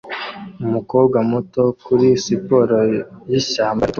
Umukobwa muto kuri siporo yishyamba ritukura